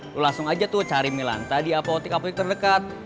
lu langsung aja tuh cari milanta di apotik apotik terdekat